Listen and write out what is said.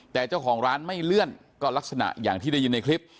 แต่เจ้าของร้านไม่เลื่อนก็ลักษณะอย่างที่ได้ยินในคลิป